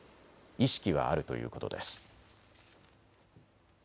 意識はあるということです。